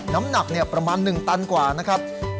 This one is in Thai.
น้ำหนักประมาณ๑ตันกว่านะครับ